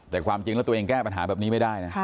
แต่ความจริงละตัวนี่แก้ปัญหาแบบนี้ไม่ได้